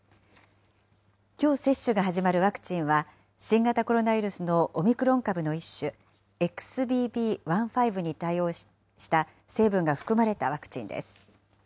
きょう接種が始まるワクチンは、新型コロナウイルスのオミクロン株の一種、ＸＢＢ．１．５に対応した成分が含まれたワクチンです。